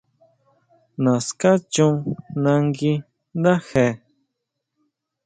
Naská chon nagui ndáje.